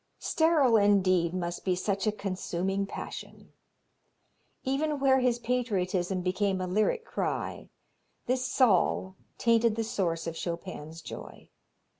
Sterile indeed must be such a consuming passion. Even where his patriotism became a lyric cry, this Zal tainted the source of Chopin's joy.